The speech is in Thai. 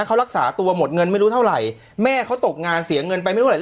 เขารักษาตัวหมดเงินไม่รู้เท่าไหร่แม่เขาตกงานเสียเงินไปไม่รู้แหละ